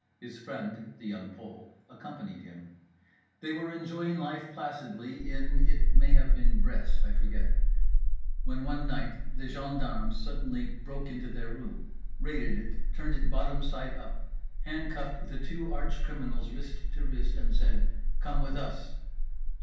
His friend (The Young Pole) accompanied him. They were enjoying life placidly in, it may have been, Brest—I forget—when one night the gendarmes suddenly broke into their room, raided it, turned it bottomside up, handcuffed the two arch criminals wrist to wrist, and said "Come with us."